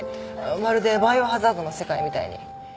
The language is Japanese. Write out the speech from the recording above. まるで『バイオハザード』の世界みたいに。